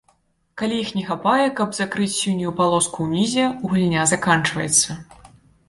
Калі іх не хапае, каб закрыць сінюю палоску ўнізе, гульня заканчваецца.